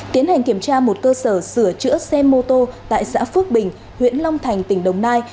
tiến hành kiểm tra một cơ sở sửa chữa xe mô tô tại xã phước bình huyện long thành tỉnh đồng nai